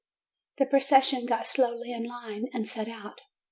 The procession got slowly into line and set out.